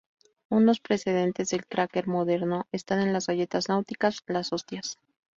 Unos precedentes del "cracker" moderno están en las galletas náuticas, las hostias.